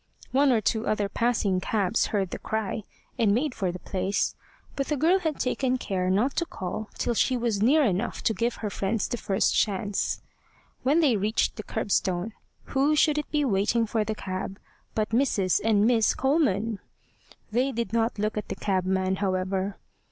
One or two other passing cabs heard the cry, and made for the place, but the girl had taken care not to call till she was near enough to give her friends the first chance. When they reached the curbstone who should it be waiting for the cab but Mrs. and Miss Coleman! They did not look at the cabman, however.